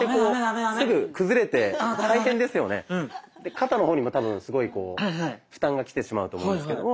肩の方にも多分すごいこう負担がきてしまうと思うんですけども。